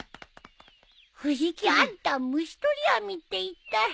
藤木あんた虫捕り網っていったい。